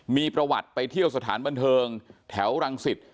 มีประวัติไปเที่ยวสถานบันเทิงแถวรังสิต